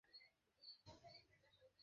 ভাই, লাকি, একটা কথা বল।